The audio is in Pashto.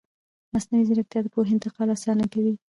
مصنوعي ځیرکتیا د پوهې انتقال اسانه کوي.